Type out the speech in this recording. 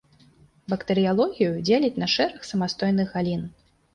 Бактэрыялогію дзеляць на шэраг самастойных галін.